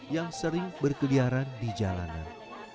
yang sering berkeliaran di jalanan